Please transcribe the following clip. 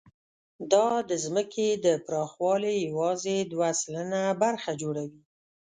دا د ځمکې د پراخوالي یواځې دوه سلنه برخه جوړوي.